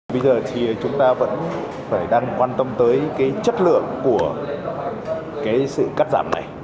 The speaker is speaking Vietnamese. bây giờ thì chúng ta vẫn phải đang quan tâm tới cái chất lượng của cái sự cắt giảm này